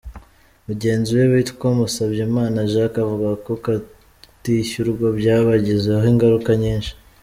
Mugenzi we witwa Musabyimana Jack avuga ko kutishyurwa byabagizeho ingaruka nyinshi.